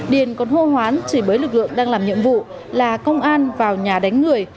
điền còn hô hoán chỉ bới lực lượng đang làm nhiệm vụ là công an vào nhà đánh người